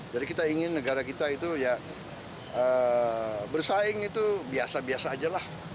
jadi kita ingin negara kita itu ya bersaing itu biasa biasa aja lah